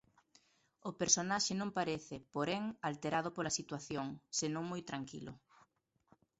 O personaxe non parece, porén, alterado pola situación, senón moi tranquilo.